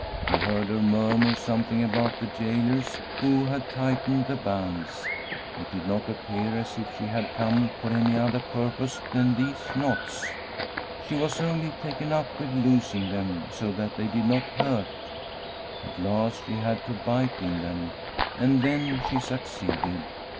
He heard her murmur something about the gaolers who had tightened the bands. It did not appear as if she had come for any other purpose than these knots. She was only taken up with loosening them so that they did not hurt. At last she had to bite [2661 Santa CATERINA of SI£NA in them, and then she succeeded.